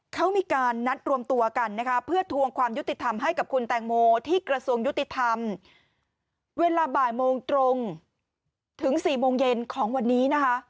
เขามีการนัดรวมตัวกันนะคะเพื่อทวงความยุติธรรมให้กับคุณแตงโมที่กระทรวงยุติธรรมเวลาบ่ายโมงตรงถึง๔โมงเย็นของวันนี้นะคะ